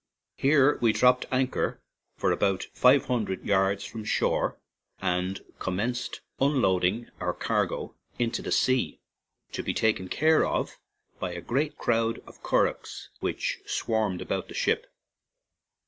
Here we dropped anchor about five hun dred yards from shore and commenced unloading our cargo into the sea, to be taken care of by a great crowd of curraghs which swarmed about the ship.